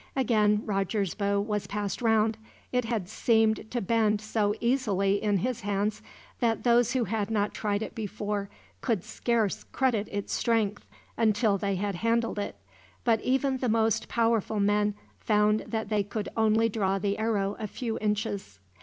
Again Roger's bow was passed round. It had seemed to bend so easily, in his hands, that those who had not tried it before could scarce credit its strength, until they had handled it; but even the most powerful men found that they could only draw the arrow a few inches.